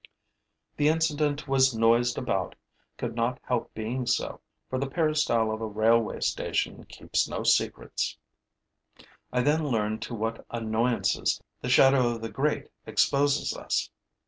The incident was noised about, could not help being so, for the peristyle of a railway station keeps no secrets. I then learned to what annoyances the shadow of the great exposes us.